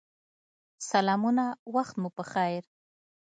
سلامونه وخت مو پخیر